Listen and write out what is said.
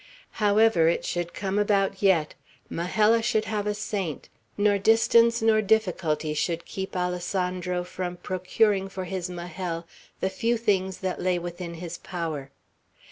However, it should come about yet. Majella should have a saint; nor distance nor difficulty should keep Alessandro from procuring for his Majel the few things that lay within his power.